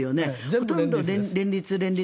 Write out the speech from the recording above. ほとんど連立、連立。